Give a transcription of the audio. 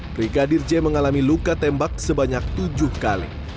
brigadir j mengalami luka tembak sebanyak tujuh kali